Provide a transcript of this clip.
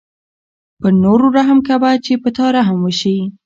پر نورو رحم کوه چې په تا رحم وشي.